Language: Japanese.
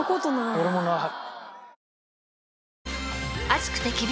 俺もない。